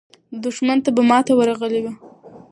دښمن ته به ماته ورغلې وه.